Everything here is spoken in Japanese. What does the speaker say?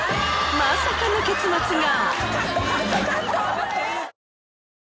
まさかの結末が！